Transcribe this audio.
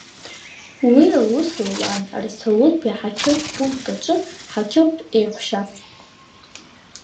Уи аус луан Арсаултәи аҳақьымтә пункт аҿы ҳақьымтә еҳәшьас.